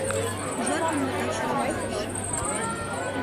«Пижергым мый таче йомдарышым...»